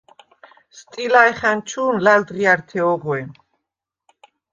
სტილა̈ჲხა̈ნჩუ̄ნ ლა̈ლდღია̈რთე ოღვე.